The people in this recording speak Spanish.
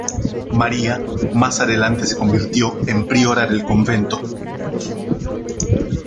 María más adelante se convirtió en priora del convento.